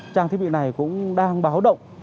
trang thiết bị này cũng đang báo động